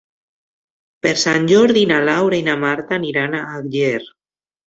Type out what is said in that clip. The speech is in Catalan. Per Sant Jordi na Laura i na Marta aniran a Àger.